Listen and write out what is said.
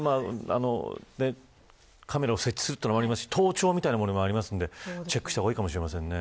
カメラを設置する盗聴みたいなものもありますのでチェックした方がいいかもしれませんね。